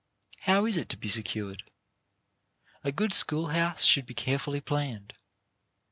How is it to be secured? A good school house should be carefully planned.